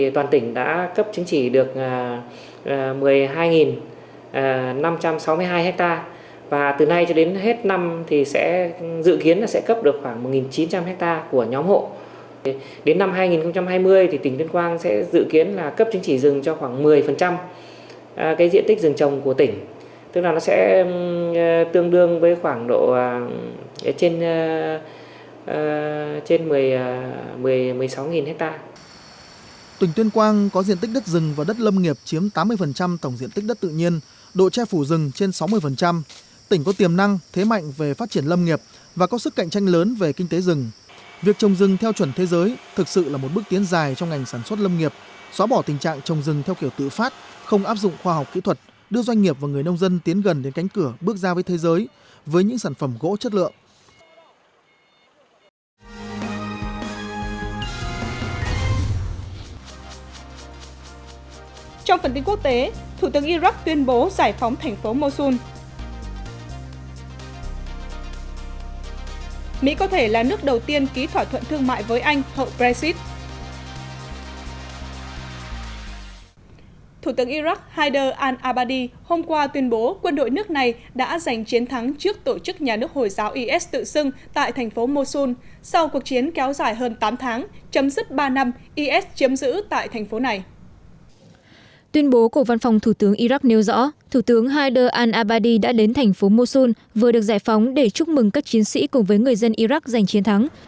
tuyên bố của văn phòng thủ tướng iraq nêu rõ thủ tướng haider al abadi đã đến thành phố mosul vừa được giải phóng để chúc mừng các chiến sĩ cùng với người dân iraq giành chiến thắng